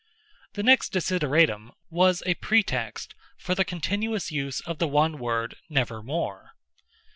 The next desideratum was a pretext for the continuous use of the one word "nevermore."